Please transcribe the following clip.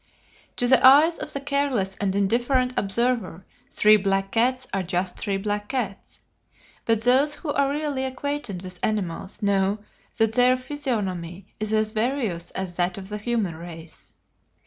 "To the eyes of the careless and indifferent observer, three black cats are just three black cats, but those who are really acquainted with animals know that their physiognomy is as various as that of the human race.